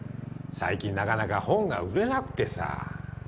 最近なかなか本が売れなくてさ。